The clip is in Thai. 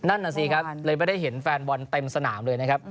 นั่นน่ะสิครับเลยไม่ได้เห็นแฟนบอลเต็มสนามเลยนะครับ